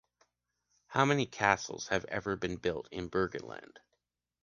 How many castles have ever been built in Burgenland?